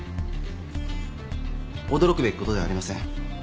驚くべきことではありません。